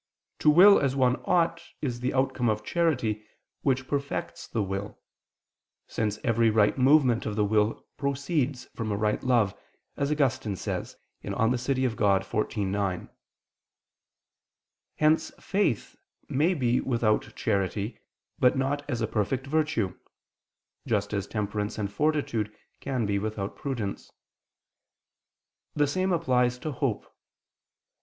To will as one ought is the outcome of charity which perfects the will: since every right movement of the will proceeds from a right love, as Augustine says (De Civ. Dei xiv, 9). Hence faith may be without charity, but not as a perfect virtue: just as temperance and fortitude can be without prudence. The same applies to hope.